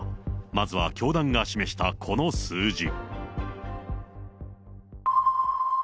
まずは教団が示したこの数字。